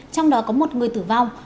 trong đó có một người tử vong